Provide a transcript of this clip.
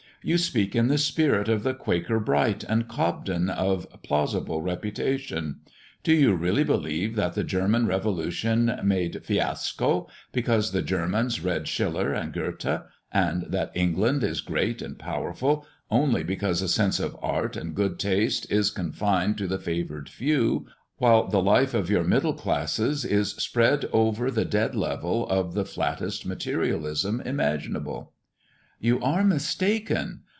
You speak in the spirit of the Quaker Bright, and Cobden of plausible reputation. Do you really believe that the German revolution made fiasco, because the Germans read Schiller and Göthe; and that England is great and powerful, only because a sense for art and good taste is confined to the favoured few, while the life of your middle classes is spread over the dead level of the flattest materialism imaginable?" "You are mistaken.